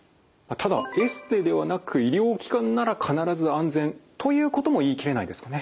ただエステではなく医療機関なら必ず安全ということも言い切れないですかね？